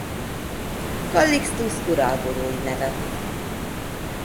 Kallixtusz uralkodói nevet.